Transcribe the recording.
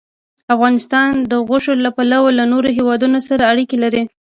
افغانستان د غوښې له پلوه له نورو هېوادونو سره اړیکې لري.